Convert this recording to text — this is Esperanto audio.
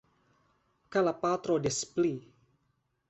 Kaj la patro des pli.